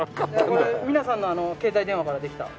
これ皆さんの携帯電話からできた。